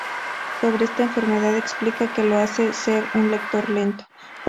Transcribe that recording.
Sobre esta enfermedad explica que lo hacer ser un lector lento.